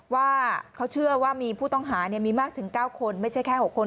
ว่าเขาเชื่อว่ามีผู้ต้องหามีมากถึง๙คนไม่ใช่แค่๖คน